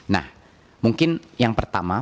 nah mungkin yang pertama